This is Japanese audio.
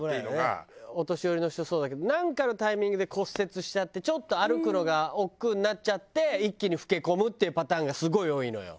お年寄りの人そうだけどなんかのタイミングで骨折しちゃってちょっと歩くのが億劫になっちゃって一気に老け込むっていうパターンがすごい多いのよ。